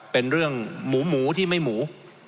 เป็นเรื่องหมูหมูที่ไม่หมู